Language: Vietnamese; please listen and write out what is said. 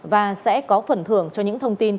và sẽ có phần thưởng cho những thông tin